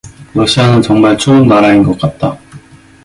러시아는 정말 추운 나라인것 같다.